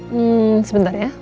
hmm sebentar ya